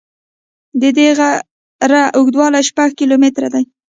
د دې غره اوږدوالی شپږ نیم کیلومتره دی.